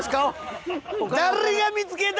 誰が見付けた！